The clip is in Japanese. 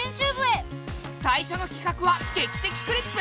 最初のきかくは「劇的クリップ」！